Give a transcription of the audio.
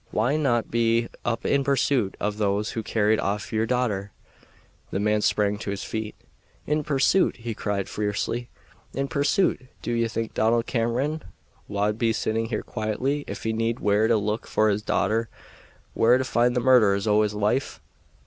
Why not be up in pursuit of those who carried off your daughter?" The man sprang to his feet. "In pursuit!" he cried fiercely; "in pursuit! Do ye think Donald Cameron wad be sitting here quietly if he kenned where to look for his daughter where to find the murderers o' his wife?